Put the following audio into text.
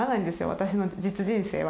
私の実人生は。